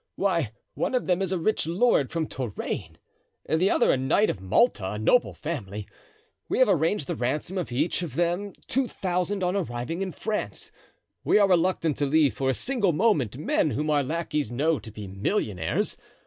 "Why, one of them is a rich lord from Touraine and the other a knight of Malta, of noble family. We have arranged the ransom of each of them—2,000 on arriving in France. We are reluctant to leave for a single moment men whom our lackeys know to be millionaires.